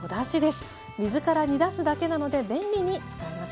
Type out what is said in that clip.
水から煮出すだけなので便利に使えますよ。